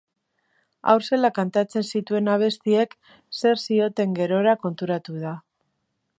Haur zela kantatzen zituen abestiek zer zioten gerora konturatu da.